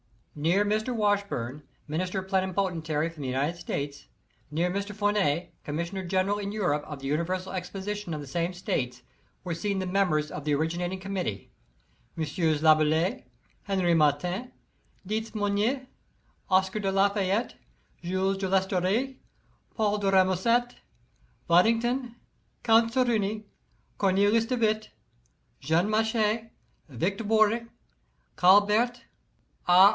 Near Mr. Washburne, Minister Plenipotentiary from the United States, near Mr. Forney, Commissioner General in Europe of the Universal Exposition of the same States, were seen the members of the originating committee : Messieurs Laboulaye, Henri Martin, Dietz Mounir, Oscar de Lafayette, Jules de Lasteyrie, Paul de Remusat, Wad dington. Count Serurier, Cornelis de Witt, Jean Mace, Victor Borie, Caubert, A.